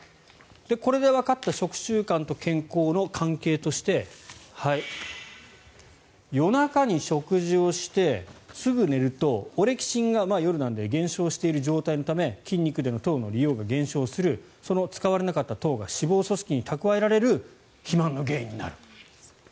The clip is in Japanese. これでわかった食習慣と健康の関係として夜中に食事をして、すぐ寝るとオレキシンが夜なので減少している状態のため筋肉での糖の利用が減少するその使われなかった糖が脂肪組織に蓄えられる肥満の原因になる。